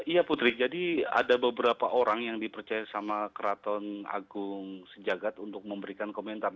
iya putri jadi ada beberapa orang yang dipercaya sama keraton agung sejagat untuk memberikan komentar